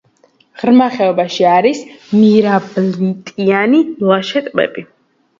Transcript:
ღრმა ხეობებში არის მირაბილიტიანი მლაშე ტბები.